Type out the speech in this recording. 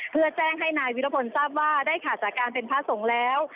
เพื่อแจ้งให้นายวิรพลทราบว่าได้ขาดจากการเป็นพระสงฆ์แล้ว